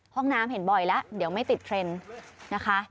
ห้องน้ำเห็นบ่อยแล้วเดี๋ยวไม่ติดเทรนด์นะคะ